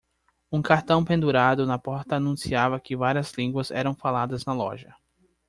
Um cartão pendurado na porta anunciava que várias línguas eram faladas na loja.